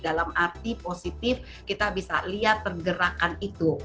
dalam arti positif kita bisa lihat pergerakan itu